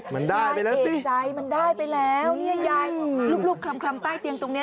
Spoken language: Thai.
มันได้ไปแล้วเอกใจมันได้ไปแล้วเนี่ยยายรูปคลำใต้เตียงตรงเนี้ย